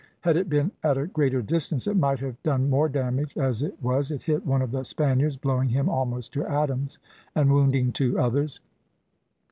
Had it been at a greater distance it might have done more damage; as it was it hit one of the Spaniards, blowing him almost to atoms, and wounding two others.